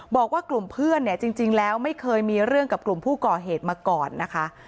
บอกว่ากลุ่มเพื่อนเนี่ยจริงแล้วไม่เคยมีเรื่องกับกลุ่มผู้ก่อเหตุมาก่อนนะคะ